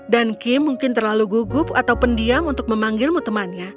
dan kim mungkin terlalu gugup atau pendiam untuk memanggilmu temannya